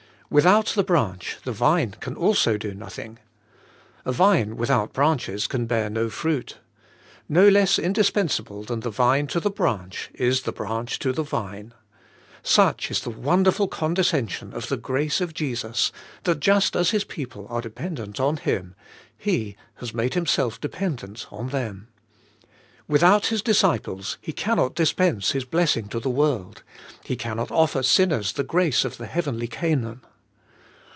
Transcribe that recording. Without the hranch the vine can also do nothing, A vine without branches can bear no fruit. No less indispensable than the vine to the branch, is the branch to the vine. Such is the wonderful con descension of the grace of Jesus, that just as His people are dependent on Him, He has made Himself dependent on them. Without His disciples He can not dispense His blessing to thew^orld; He cannot AS THE BRANCH IN THE VINE. 37 ofiFer sinners the grace of the heavenly Canaan.